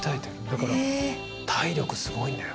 だから体力すごいんだよ。